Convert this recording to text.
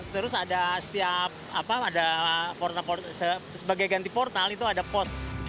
terus ada setiap apa ada sebagai ganti portal itu ada pos